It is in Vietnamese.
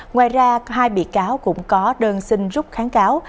ngoài ra hai bị cáo cũng có đơn xin rút kháng cáo